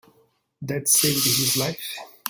That saved his life.